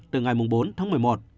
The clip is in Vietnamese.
từ ngày bốn tháng một mươi một